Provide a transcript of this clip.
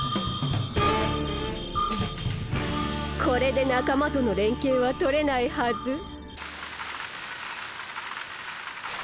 これで仲間との連携は取れないはず。